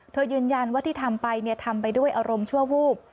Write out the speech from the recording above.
ยืนยันว่าที่ทำไปทำไปด้วยอารมณ์ชั่ววูบ